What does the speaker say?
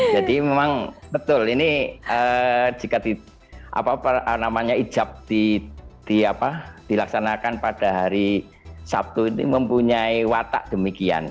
jadi memang betul ini jika ijab dilaksanakan pada hari sabtu ini mempunyai watak demikian